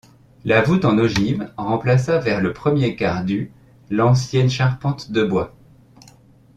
La voûte en ogive remplaça vers le premier quart du l'ancienne charpente de bois.